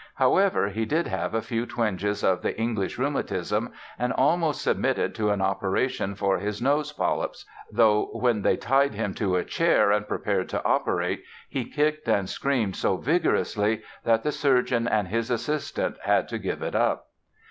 However, he did have a few twinges of the "English rheumatism" and almost submitted to an operation for his nose polypus—though when they tied him to a chair and prepared to operate he "kicked and screamed so vigorously", that the surgeon and his assistants had to give it up.